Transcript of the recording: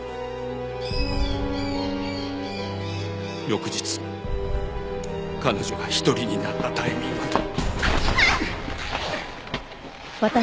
翌日彼女が一人になったタイミングで。